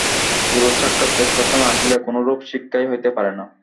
গুরুর সাক্ষাৎ সংস্পর্শে না আসিলে কোনরূপ শিক্ষাই হইতে পারে না।